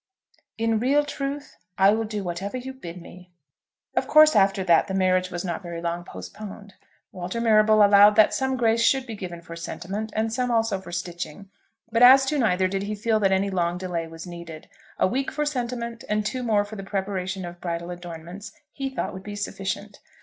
In real truth, I will do whatever you bid me. Of course, after that, the marriage was not very long postponed. Walter Marrable allowed that some grace should be given for sentiment, and some also for stitching, but as to neither did he feel that any long delay was needed. A week for sentiment, and two more for the preparation of bridal adornments, he thought would be sufficient.